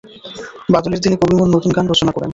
বাদলের দিনে কবিমন নতুন গান রচনা করেন।